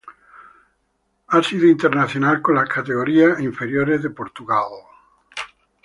Ha sido internacional con las categorías inferiores de Portugal.